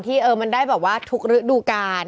เออมันได้แบบว่าทุกฤดูกาล